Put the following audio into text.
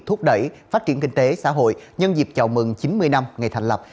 thúc đẩy phát triển kinh tế xã hội nhân dịp chào mừng chín mươi năm ngày thành lập